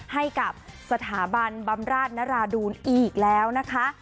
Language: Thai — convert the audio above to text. ให้กับสถาบันบำราชนราดูนอีกแล้วนะคะ